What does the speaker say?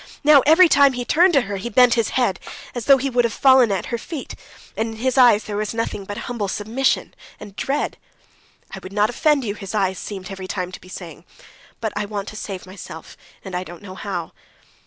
Now every time he turned to her, he bent his head, as though he would have fallen at her feet, and in his eyes there was nothing but humble submission and dread. "I would not offend you," his eyes seemed every time to be saying, "but I want to save myself, and I don't know how."